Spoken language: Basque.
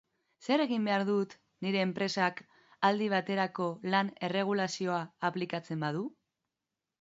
Zer egin behar dut nire enpresak aldi baterako lan-erregulazioa aplikatzen badu?